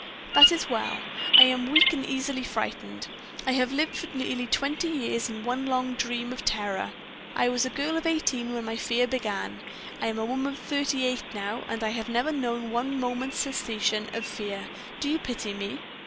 "That is well. I am weak and easily frightened; I have lived for nearly twenty years in one long dream of terror. I was a girl of eighteen when my fear began I am a woman of thirty eight now, and I have never known one moment's cessation of fear. Do you pity me?"